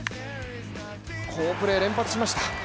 好プレー連発しました。